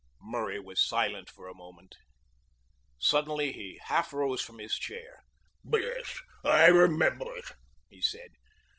Murray was silent for a moment. Suddenly he half rose from his chair. "Yes I remember it," he said.